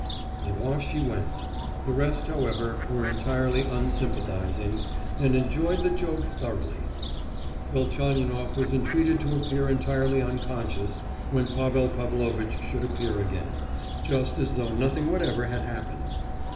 And off she went. The rest, however, were entirely unsympathizing, and enjoyed the joke thoroughly. Velchaninoff was entreated to appear entirely unconscious when Pavel Pavlovitch should appear again, just as though nothing whatever had happened.